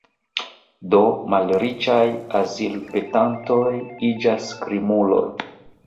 Do malriĉaj azilpetantoj iĝas krimuloj.